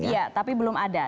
iya tapi belum ada